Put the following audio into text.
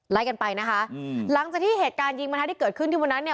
กันไปนะคะอืมหลังจากที่เหตุการณ์ยิงประทะที่เกิดขึ้นที่วันนั้นเนี่ย